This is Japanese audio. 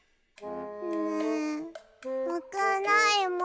ねむくないもん。